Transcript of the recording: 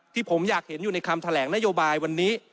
ที่ผมอยากเห็นอยู่ในคำแถลงนโยบายวันนี้